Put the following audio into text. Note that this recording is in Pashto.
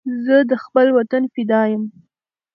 زه د خپل وطن فدا یم